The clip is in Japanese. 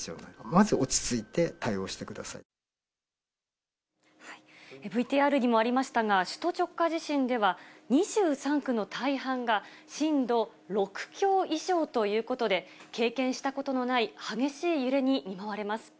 まずは落ＶＴＲにもありましたが、首都直下地震では、２３区の大半が震度６強以上ということで、経験したことのない激しい揺れに見舞われます。